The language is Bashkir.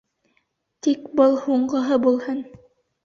Тик был һуңғыһы булһын.